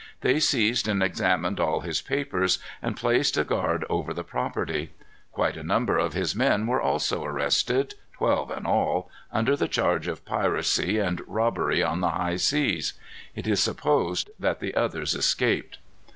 They seized and examined all his papers, and placed a guard over the property. Quite a number of his men were also arrested, twelve in all, under charge of piracy and robbery on the high seas. It is supposed that the others escaped.